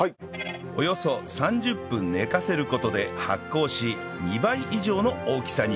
およそ３０分寝かせる事で発酵し２倍以上の大きさに